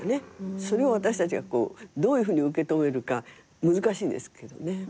それを私たちがどういうふうに受け止めるか難しいんですけどね。